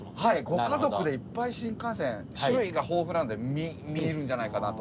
ご家族でいっぱい新幹線種類が豊富なんで見るんじゃないかなと。